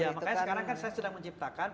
ya makanya sekarang kan saya sedang menciptakan